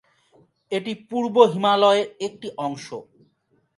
এটি পূর্ব হিমালয়ের একটি অংশ।